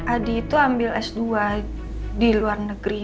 adi itu ambil s dua di luar negeri